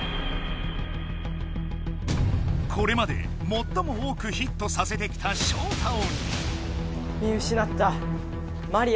これまで最も多くヒットさせてきたショウタ鬼。